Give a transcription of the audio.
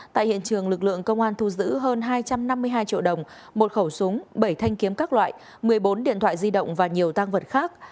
tại hiện trường lực lượng công an thu giữ hơn hai trăm năm mươi hai triệu đồng một khẩu súng bảy thanh kiếm các loại một mươi bốn điện thoại di động và nhiều tăng vật khác